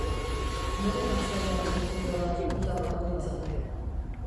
Noren azalean sartuko da gutar bakoitza?